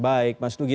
baik mas nugi